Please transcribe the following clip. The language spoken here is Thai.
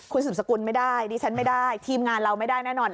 คุณสุดสกุลไม่ได้ดิฉันไม่ได้ทีมงานเราไม่ได้แน่นอน